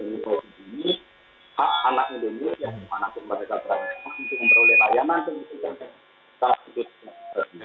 itu yang perlu dilayanan